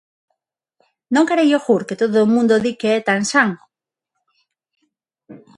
Non queren iogur, que todo o mundo di que é tan san.